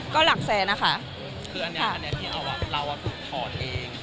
ก็หลักแสนะคะค่ะคืออันเนี้ยอันเนี้ยเจียงเอาว่าเราอะถูกถอดเอง